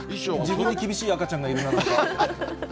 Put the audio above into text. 自分に厳しい赤ちゃんがいるな。